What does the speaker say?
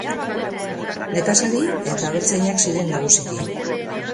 Nekazari eta abeltzainak ziren nagusiki.